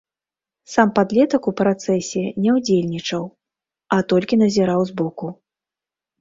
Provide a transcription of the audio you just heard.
Сам падлетак у працэсе не ўдзельнічаў, а толькі назіраў збоку.